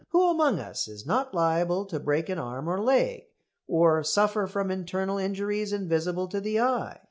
Who among us is not liable to break an arm or leg, or suffer from internal injuries invisible to the eye?